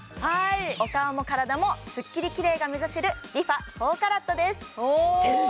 お顔も体もスッキリきれいが目指せるＲｅＦａ４ＣＡＲＡＴです